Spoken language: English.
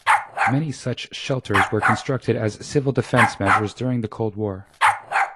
Many such shelters were constructed as civil defense measures during the Cold War.